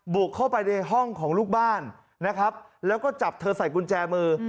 บุกเข้าไปในห้องของลูกบ้านนะครับแล้วก็จับเธอใส่กุญแจมือ